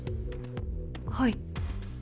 はい。